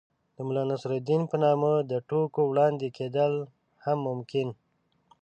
د ملا نصر الدين په نامه د ټوکو وړاندې کېدل هم ممکن